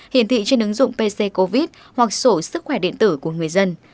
hiển thị trên ứng dụng pc covid hoặc sổ sức khỏe điện tử của người dân